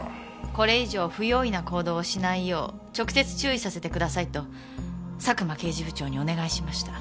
これ以上不用意な行動をしないよう直接注意させてくださいと佐久間刑事部長にお願いしました。